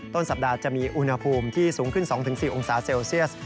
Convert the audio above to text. ต้นสัปดาห์จะมีอุณหภูมิที่สูงขึ้น๒๔องศาเซลเซียส